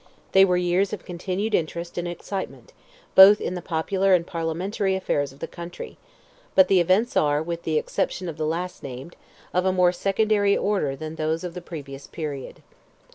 They were years of continued interest and excitement, both in the popular and parliamentary affairs of the country; but the events are, with the exception of the last named, of a more secondary order than those of the previous period.